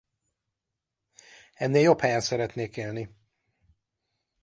Ennél jobb helyen szeretnék élni!